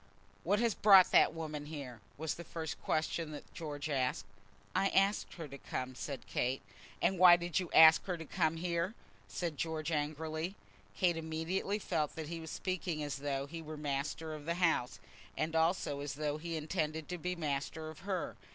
"What has brought that woman here?" was the first question that George asked. "I asked her to come," said Kate. "And why did you ask her to come here?" said George, angrily. Kate immediately felt that he was speaking as though he were master of the house, and also as though he intended to be master of her.